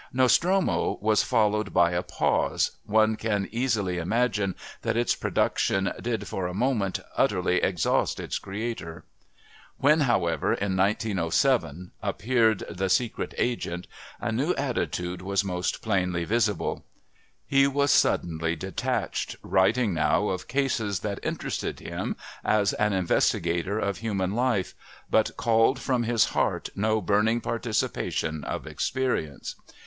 Nostromo was followed by a pause one can easily imagine that its production did, for a moment, utterly exhaust its creator. When, however, in 1907 appeared The Secret Agent, a new attitude was most plainly visible. He was suddenly detached, writing now of "cases" that interested him as an investigator of human life, but called from his heart no burning participation of experience.